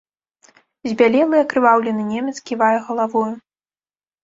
Збялелы, акрываўлены немец ківае галавою.